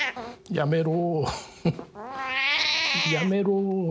やめろ。